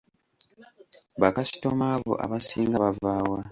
Bakasitoma bo abasinga bava wa?